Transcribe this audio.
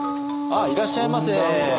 いらっしゃいませ。